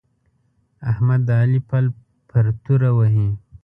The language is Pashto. احمد د علي پل پر توره وهي.